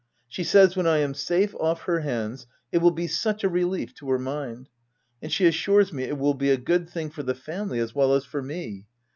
She says when I am safe off her hands it will be such a relief to her mind ; and she assures me it will be a good thing for the family as well as for me.